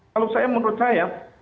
kalau saya menurut saya